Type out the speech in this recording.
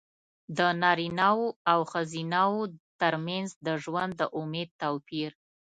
د نارینه وو او ښځینه وو ترمنځ د ژوند د امید توپیر.